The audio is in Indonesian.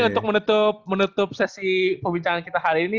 untuk menutup sesi pembicaraan kita hari ini